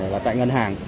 và tại ngân hàng